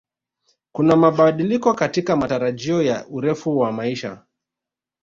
Kuna mabadiliko katika matarajio ya urefu wa maisha